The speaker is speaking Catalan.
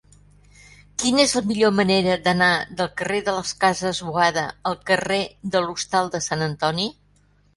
Quina és la millor manera d'anar del carrer de les Cases Boada al carrer de l'Hostal de Sant Antoni?